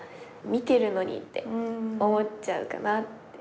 見てるのにって思っちゃうかなって。